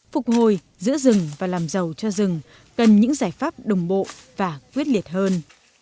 phục hồi giữ rừng và làm giàu cho rừng cần những giải pháp đồng bộ và quyết liệt hơn